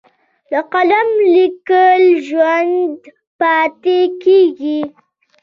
د قلم لیک ژوندی پاتې کېږي.